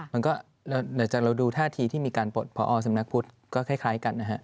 หลังจากเราดูท่าทีที่มีการปลดพอสำนักพุทธก็คล้ายกันนะฮะ